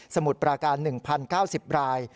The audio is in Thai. มุดปราการ๑๐๙๐ราย